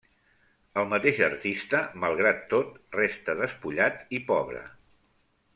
El mateix artista, malgrat tot, resta despullat i pobre.